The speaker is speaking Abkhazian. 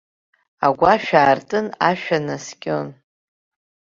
Агәашә аартын ашәа наскьон.